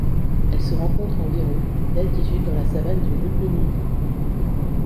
Elle se rencontre à environ d'altitude dans la savane du Rupununi.